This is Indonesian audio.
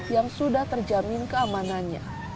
yang sudah terjamin keamanannya